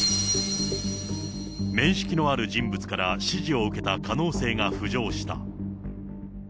面識のある人物から指示を受けた可能性が浮上した。